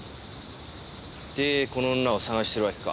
でこの女を捜してるわけか。